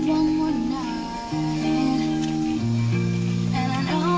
เบี้ยไหนเบี้ยช้า